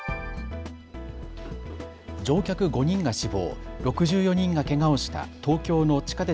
乗客５人が死亡、６４人がけがをした東京の地下鉄